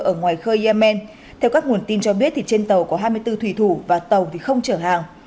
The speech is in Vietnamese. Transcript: ở ngoài khơi yemen theo các nguồn tin cho biết trên tàu có hai mươi bốn thủy thủ và tàu không chở hàng